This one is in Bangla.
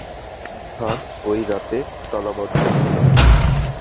হ্যাঁ, ঐ রাতে তালাবন্ধ ছিল।